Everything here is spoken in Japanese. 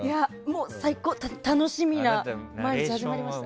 楽しみな毎日が始まりましたよ。